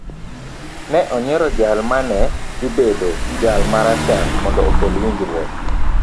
Ne oyiero jal ma ne dhi bedo jal ma rachar mondo okel winjruok